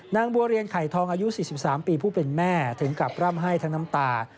นางบัวเรียนไข่ทองอายุ๔๓ปีผู้เป็นแม่ถึงกับร่ำไห้ทั้งน้ำตา